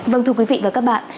vâng thưa quý vị và các bạn